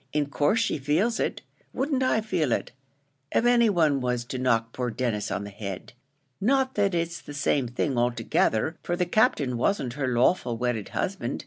in course she feels it. Wouldn't I feel it, av any one was to knock poor Denis on the head? not that it's the same thing, altogether, for the Captain wasn't her lawful wedded husband.